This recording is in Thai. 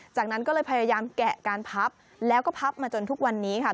จากนั้นก็เลยพยายามแกะการพับแล้วก็พับมาจนทุกวันนี้ค่ะ